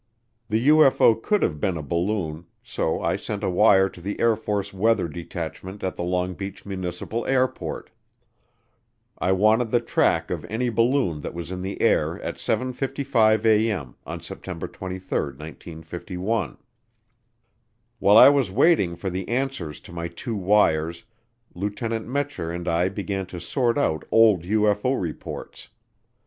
The UFO could have been a balloon, so I sent a wire to the Air Force weather detachment at the Long Beach Municipal Airport. I wanted the track of any balloon that was in the air at 7:55A.M. on September 23, 1951. While I was waiting for the answers to my two wires, Lieutenant Metscher and I began to sort out old UFO reports.